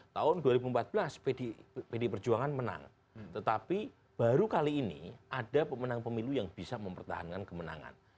tahun dua ribu empat belas pdi perjuangan menang tetapi baru kali ini ada pemenang pemilu yang bisa mempertahankan kemenangan